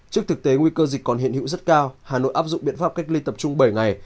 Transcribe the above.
trước thực tế nguy cơ dịch còn hiện hữu rất cao hà nội áp dụng biện pháp cách ly tập trung bảy ngày